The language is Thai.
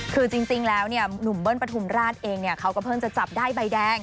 คือจริงแล้วเนี่ยหนุ่มเบิ้ลปฐุมราชเองเนี่ยเขาก็เพิ่งจะจับได้ใบแดง